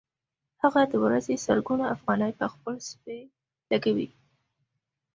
هغه د ورځې سلګونه افغانۍ په خپل سپي لګوي